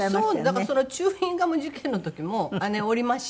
だからそのチューインガム事件の時も姉おりまして。